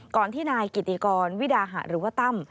ที่นายกิติกรวิดาหะหรือว่าตั้ม